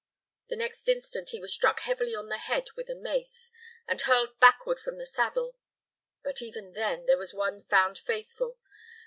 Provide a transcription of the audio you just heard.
The next instant he was struck heavily on the head with a mace, and hurled backward from the saddle. But even then there was one found faithful.